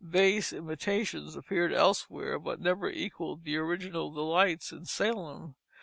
Base imitations appeared elsewhere, but never equalled the original delights in Salem.